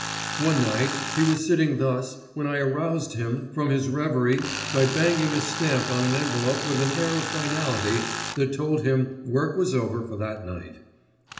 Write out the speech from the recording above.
One night he was sitting thus when I aroused him from his reverie by banging a stamp on an envelope with an air of finality that told him work was over for that night.